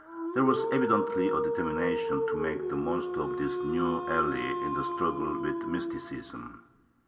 ^ There was evi dently a determination to make the most of this new ally in the struggle with Mysticism.